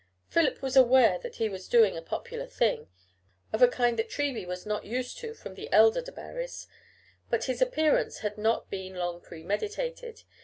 Philip was aware that he was doing a popular thing, of a kind that Treby was not used to from the elder Debarrys; but his appearance had not been long premeditated.